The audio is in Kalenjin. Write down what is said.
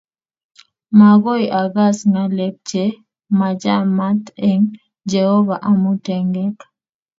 Makoi okas ngalek che machamat eng Jehovah amu tengek